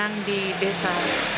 yang diberi oleh maka maka manusia